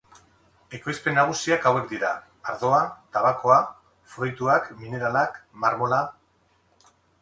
Ekoizpen nagusiak hauek dira: ardoa, tabakoa, fruituak, mineralak, marmola.